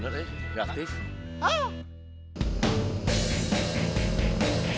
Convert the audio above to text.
situ aja coba yang telepon